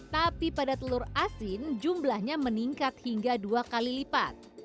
tapi pada telur asin jumlahnya meningkat hingga dua kali lipat